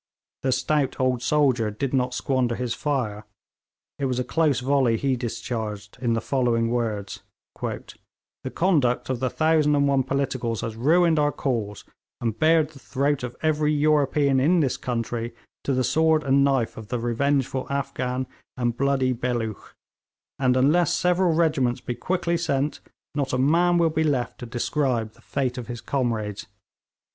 The stout old soldier did not squander his fire; it was a close volley he discharged in the following words: 'The conduct of the thousand and one politicals has ruined our cause, and bared the throat of every European in this country to the sword and knife of the revengeful Afghan and bloody Belooch; and unless several regiments be quickly sent, not a man will be left to describe the fate of his comrades.